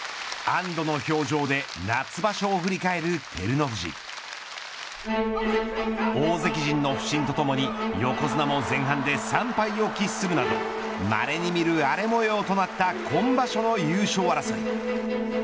安堵の表情で夏場所を振り返る照ノ富士大関陣の不振とともに横綱も前半で３敗を喫するなどまれに見る荒れ模様となった今場所の優勝争い。